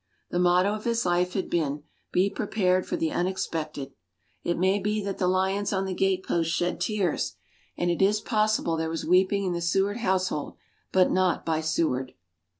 The motto of his life had been: Be prepared for the unexpected. It may be that the lions on the gateposts shed tears, and it is possible there was weeping in the Seward household but not by Seward.